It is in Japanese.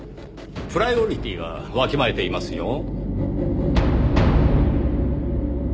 プライオリティーはわきまえていますよ。